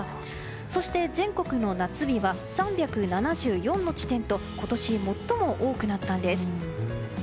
そして、全国の夏日は３７４の地点と今年最も多くなったんです。